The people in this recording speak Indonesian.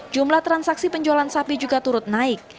jumlah transaksi penjualan sapi juga turut naik